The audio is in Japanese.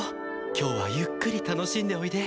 今日はゆっくり楽しんでおいで。